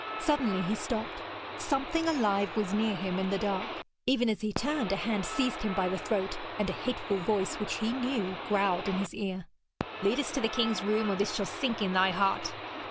Suddenly he stopped. Something alive was near him in the dark. Even as he turned, a hand seized him by the throat, and a hateful voice which he knew growled in his ear: 'Lead us to the king's room, or this shall sink in thy heart!'